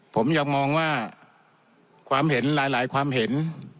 ผมอยากมองว่าความเห็นหลายความเห็น